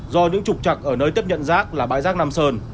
do những trục trặc ở nơi tiếp nhận rác là bãi rác nam sơn